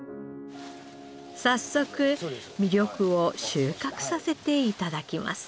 早速味緑を収穫させて頂きます。